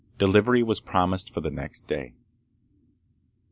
Delivery was promised for the next day.